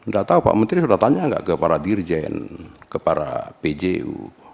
gak tahu pak menteri sudah tanya gak ke para dirjen ke para pju